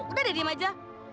udah deh diem aja